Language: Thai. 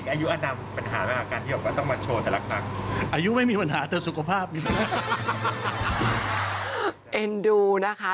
อายุอันดำปัญหามาก